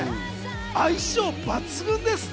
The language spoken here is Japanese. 相性抜群ですね。